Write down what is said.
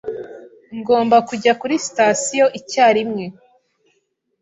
Ngomba kujya kuri sitasiyo icyarimwe.